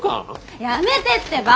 やめてってば！